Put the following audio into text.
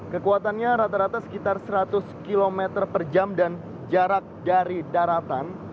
kekuatannya rata rata sekitar seratus km per jam dan jarak dari daratan